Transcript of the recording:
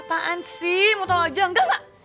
apaan sih mau tau aja enggak enggak